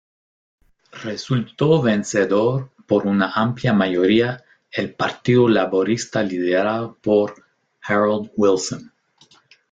Resultó vencedor por una amplia mayoría el Partido Laborista liderado por Harold Wilson.